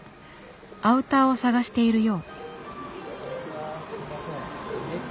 アウターを探しているよう。